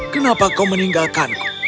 kenapa kau meninggalkanku